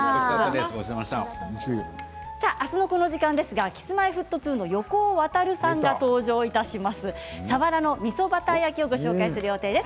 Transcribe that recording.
明日のこの時間はＫｉｓ−Ｍｙ−Ｆｔ２の横尾渉さんが登場します。